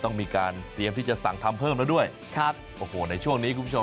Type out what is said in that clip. ต้องมีการเตรียมที่จะสั่งทำเพิ่มแล้วด้วยครับโอ้โหในช่วงนี้คุณผู้ชม